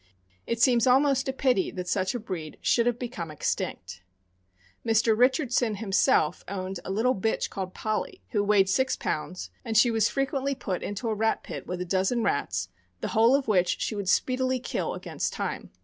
It seems almost a pity that such a breed should have become extinct. Mr. 440 THE AMERICAN BOOK OF THE DOG. Richardson himself owned a little bitch called Polly, who weighed six pounds, and she was frequently put into a rat pit with a dozen rats, the whole of which she would speedily kill against time.